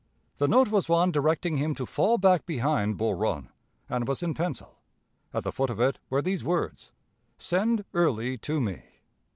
The note was one directing him to fall back behind Bull Run, and was in pencil. At the foot of it were these words: 'Send Early to me.'